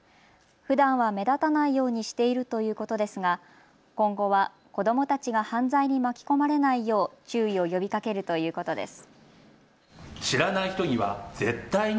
ふだんは目立たないようにしているということですが今後は子どもたちが犯罪に巻き込まれないよう注意を呼びかけるということです。